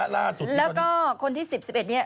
แล้วก็คนที่๑๐นี้